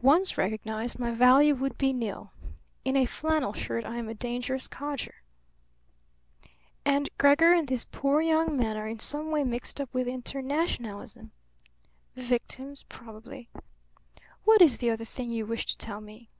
Once recognized, my value would be nil. In a flannel shirt I'm a dangerous codger." "And Gregor and this poor young man are in some way mixed up with internationalism!" "Victims, probably." "What is the other thing you wish to tell me?"